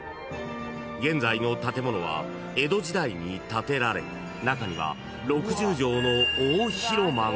［現在の建物は江戸時代に建てられ中には６０畳の］